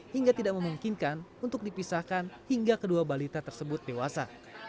hingga tidak memungkinkan untuk dipisahkan hingga kedua balita tersebut dewasa